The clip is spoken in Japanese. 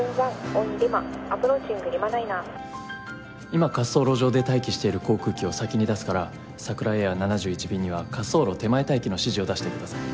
今滑走路上で待機している航空機を先に出すからさくらエア７１便には滑走路手前待機の指示を出してください。